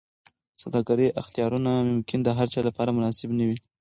د سوداګرۍ اختیارونه ممکن د هرچا لپاره مناسب نه وي.